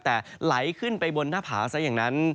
แต่ไหลขึ้นไปบนหน้าผาซะอย่างนั้น